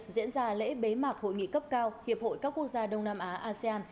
diễn ra lễ bế mạc hội nghị cấp cao hiệp hội các quốc gia đông nam á asean